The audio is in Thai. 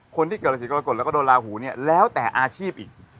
คนที่เกิดราศีกรกฎแล้วก็โดนลาหูเนี่ยแล้วแต่อาชีพอีก